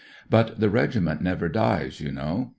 But the Regiment never dies, you know.